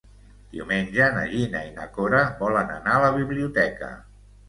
Diumenge na Gina i na Cora volen anar a la biblioteca.